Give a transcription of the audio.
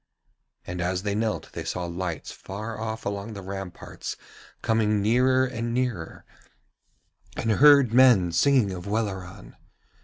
And as they knelt they saw lights far off along the ramparts coming nearer and nearer, and heard men singing of Welleran.